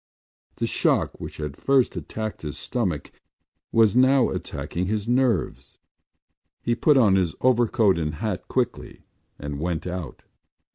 The shock which had first attacked his stomach was now attacking his nerves. He put on his overcoat and hat quickly and went out.